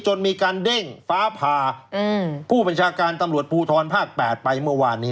จนมีการเด้งฟ้าผ่าผู้บัญชาการตำรวจภูทรภาค๘ไปเมื่อวานนี้